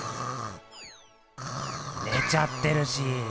ねちゃってるし！